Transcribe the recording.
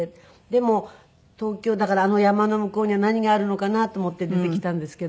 でも東京だからあの山の向こうには何があるのかなと思って出てきたんですけども。